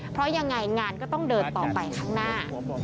เพราะยังไงงานก็ต้องเดินต่อไปข้างหน้า